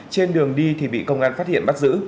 trên đường đi thì bị công an phát hiện bắt giữ